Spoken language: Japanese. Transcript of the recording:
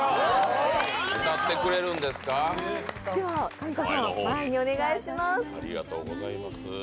かみこさん、前にお願いします。